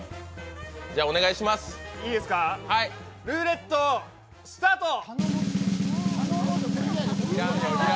ルーレットスタート！